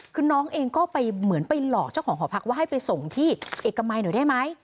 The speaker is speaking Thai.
คือน้องเองก็ไปเหมือนไปหลอกเจ้าของหอพักว่าให้ไปส่งที่เอกมัยหน่อยได้ไหม